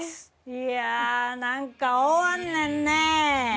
いやあなんか終わんねんね。